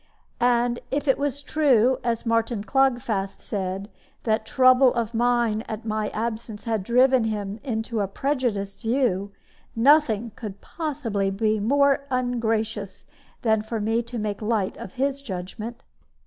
And if it was true, as Martin Clogfast said, that trouble of mind at my absence had driven him into a prejudiced view, nothing could possibly be more ungracious than for me to make light of his judgment.